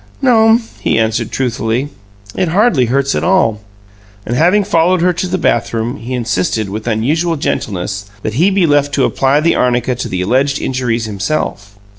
"No'm," he answered truthfully, "it hardly hurts at all." And having followed her to the bathroom, he insisted, with unusual gentleness, that he be left to apply the arnica to the alleged injuries himself.